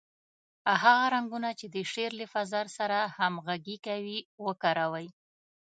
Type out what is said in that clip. هغه رنګونه چې د شعر له فضا سره همغږي کوي، وکاروئ.